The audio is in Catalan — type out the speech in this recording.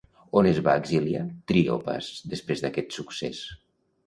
On es va exiliar Tríopas després d'aquest succés?